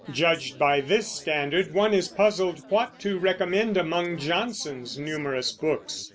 Judged by this standard, one is puzzled what to recommend among Johnson's numerous books.